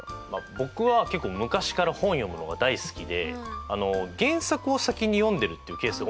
僕は結構昔から本読むのが大好きで原作を先に読んでるっていうケースが多いんですよ。